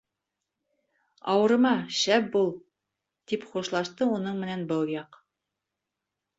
- Ауырыма, шәп бул, - тип хушлашты уның менән был яҡ.